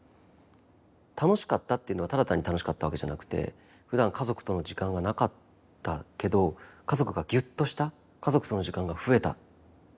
楽しかったっていうのはただ単に楽しかったわけじゃなくてふだん家族との時間がなかったけど家族がぎゅっとした家族との時間が増えた。